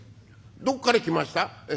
どこから来ました？」。